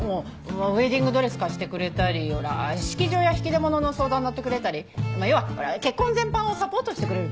ウェディングドレス貸してくれたり式場や引き出物の相談のってくれたりまあ要は結婚全般をサポートしてくれるとこよ。